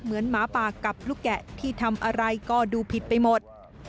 หมาป่ากับลูกแกะที่ทำอะไรก็ดูผิดไปหมด